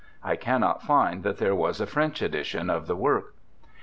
I cannot find that there was a French edition of the work.